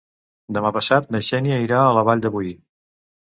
Demà passat na Xènia irà a la Vall de Boí.